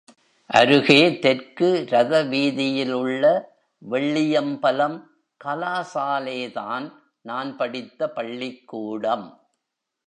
அருகே தெற்கு ரத வீதியிலுள்ள வெள்ளியம்பலம் கலாசாலேதான் நான் படித்த பள்ளிக்கூடம்.